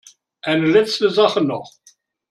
Eine letzte Sache noch.